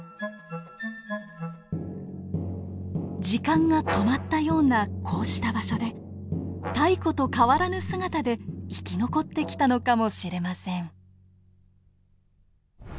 時間が止まったようなこうした場所で太古と変わらぬ姿で生き残ってきたのかもしれません。